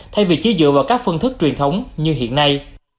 thay vì chỉ dựa vào các phương thức truyền thống như hiện nay